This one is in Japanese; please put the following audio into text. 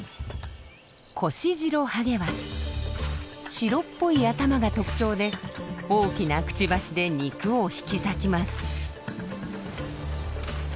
白っぽい頭が特徴で大きなくちばしで肉を引き裂きます。